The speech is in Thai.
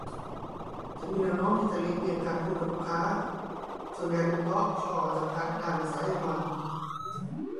ฉันมีแน้วโน้มที่จะหลีกเลี่ยงการพูดกับลูกค้า ส่วนใหญ่เป็นเพราะข้อจำกัดด้านภาษาเยอรมัน